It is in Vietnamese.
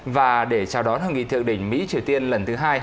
và để chào đón hội nghị thượng đỉnh mỹ triều tiên lần thứ hai